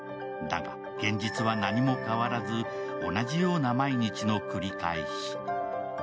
だが、現実は何も変わらず、同じような毎日の繰り返し。